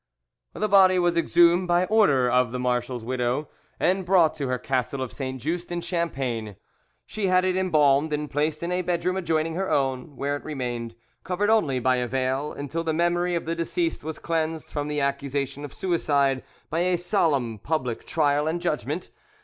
The body was exhumed by order of the marshal's widow, and brought to her castle of Saint Just, in Champagne; she had it embalmed, and placed in a bedroom adjoining her own, where it remained, covered only by a veil, until the memory of the deceased was cleansed from the accusation of suicide by a solemn public trial and judgment.